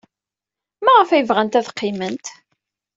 Maɣef ay bɣant ad qqiment?